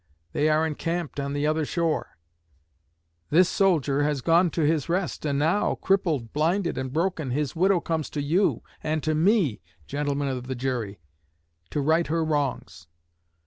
They are encamped on the other shore. This soldier has gone to his rest, and now, crippled, blinded, and broken, his widow comes to you and to me, gentlemen of the jury, to right her wrongs.